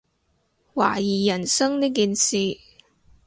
懷疑人生呢件事